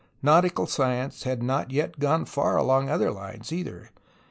Nautical science had not yet gone far along other lines, either.